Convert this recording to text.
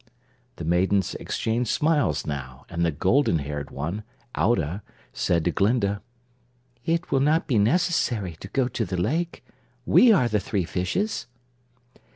The maidens exchanged smiles now, and the golden haired one, Audah, said to Glinda: "It will not be necessary to go to the lake. We are the three fishes."